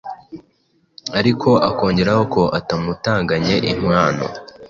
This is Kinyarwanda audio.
ariko akongeraho ko atamutanganye inkwano.